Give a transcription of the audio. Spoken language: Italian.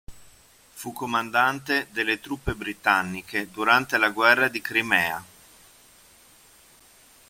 Fu comandante delle truppe britanniche durante la guerra di Crimea.